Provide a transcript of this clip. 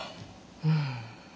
うん。